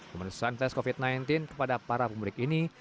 pemeriksaan tes covid sembilan belas kepada para pemudik ini